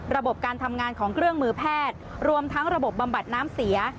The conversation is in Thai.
ระบบการทำงานของเครื่องมือแพทย์รวมทั้งระบบบำบัดน้ำเสีย